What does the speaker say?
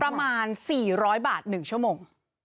ประมาณ๔๐๐บาท๑ชั่วโมง